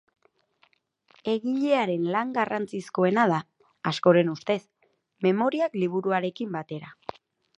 Egilearen lan garrantzizkoena da, askoren ustez, Memoriak liburuarekin batera.